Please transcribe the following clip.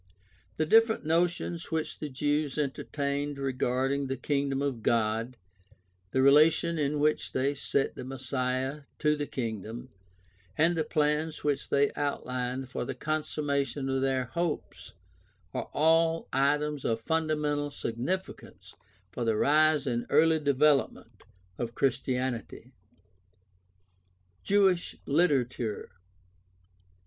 The different notions which the Jews entertained regarding the Kingdom of God, the relation in which they set the Messiah to the Kingdom, and the plans which they outlined for the consummation of their hopes are all items of fundamental significance for the rise and early development of Christianity. Jewish literature.